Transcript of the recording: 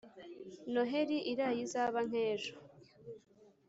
noheri iraye izaba nkejo